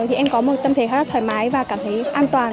thì em có một tâm thể khá thoải mái và cảm thấy an toàn